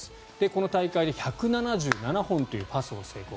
この試合で１７７本という数のパスを成功。